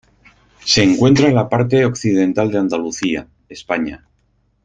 Se encuentra en la parte occidental de Andalucía, España.